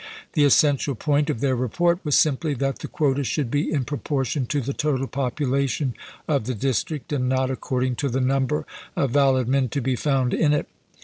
The essential point of their report was simply that the quota should be in proportion to the total popu lation of the district, and not according to the number of valid men to be found in it.